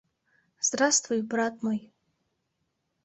Здравствуй, брат мой